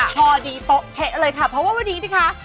พอดีโป๊ะเช๊ะเลยค่ะเพราะว่าวันนี้นะคะ